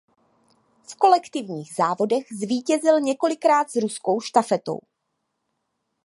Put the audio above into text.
V kolektivních závodech zvítězil několikrát s ruskou štafetou.